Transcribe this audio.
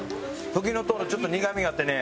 ふきのとうのちょっと苦みがあってね。